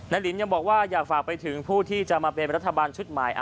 ลินยังบอกว่าอยากฝากไปถึงผู้ที่จะมาเป็นรัฐบาลชุดใหม่